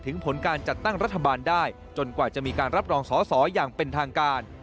ผลการจัดตั้งรัฐบาลได้จนกว่าจะมีการรับรองสอสออย่างเป็นทางการ